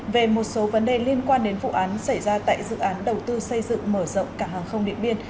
về một số vấn đề liên quan đến vụ án xảy ra tại dự án đầu tư xây dựng mở rộng cảng hàng không điện biên